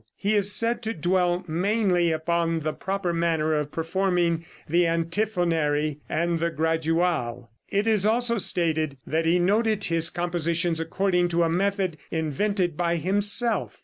He is said to dwell mainly upon the proper manner of performing the antiphonary and the graduale. It is also stated that he noted his compositions according to a method invented by himself.